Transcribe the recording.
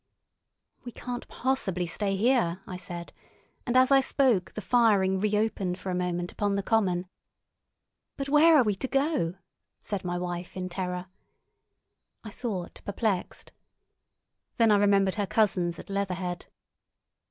"We can't possibly stay here," I said; and as I spoke the firing reopened for a moment upon the common. "But where are we to go?" said my wife in terror. I thought perplexed. Then I remembered her cousins at Leatherhead.